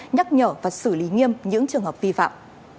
nhắc nhở và xử lý nghiêm những trường hợp vi phạm